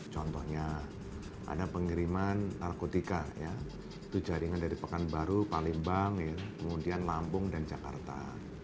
contohnya ada pengiriman narkotika itu jaringan dari pekanbaru palembang kemudian lampung dan jakarta